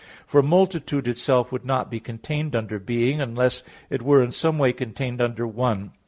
For multitude itself would not be contained under "being," unless it were in some way contained under "one."